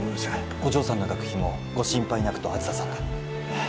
お嬢さんの学費もご心配なくと梓さんが